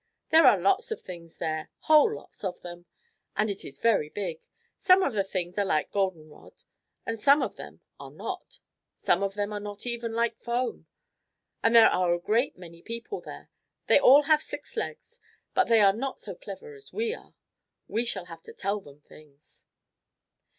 There are lots of things there whole lots of them and it is very big. Some of the things are like golden rod and some of them are not. Some of them are not even like foam. And there are a great many people there. They all have six legs, but they are not so clever as we are. We shall have to tell them things."